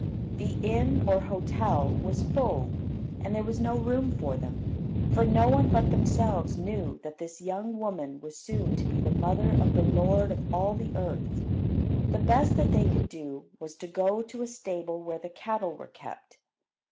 The inn or hotel was full, and there was no room for them; for no one but themselves knew that this young woman was soon to be the mother of the Lord of all the earth. The best that they could do was to go to a stable where the cattle were kept.